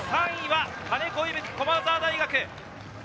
３位は金子伊吹、駒澤大学。